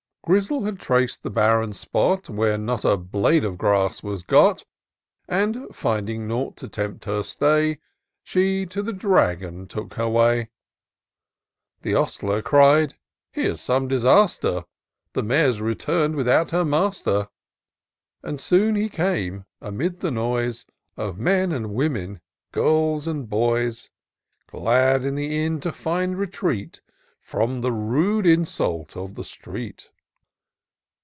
Grizzle had trac'd the barren spot. Where not a blade of grass was got ; And, finding nought to tempt her stay. She to the Dragon took her way^ The ostler cried, " Here's some disaster, — The mare's return'd without her master !" But soon he came, amid the noise Of men and women, girls and boys : Glad in the inn to find retreat From the rude insults of the street.